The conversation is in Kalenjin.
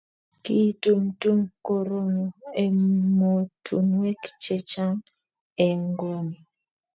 kiitumtum korono emotunwek che chang' eng' ng'ony